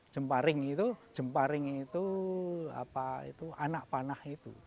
jemparing itu anak panah